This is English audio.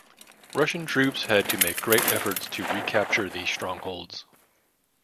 Russian troops had to make great efforts to recapture these strongholds.